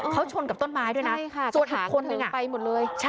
เขาชนกับต้นไม้ด้วยนะส่วนอีกคนนึงอะใช่พี่ปอล์เห็นผู้หญิงคนอีกฝั่งไหมใช่